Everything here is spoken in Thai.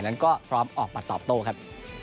นั้นก็พร้อมออกมาตอบโต้ครับ